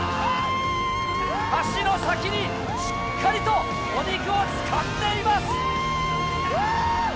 箸の先にしっかりとお肉をつかんでいます！